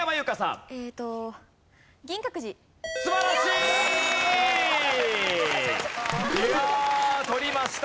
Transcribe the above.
いや取りました。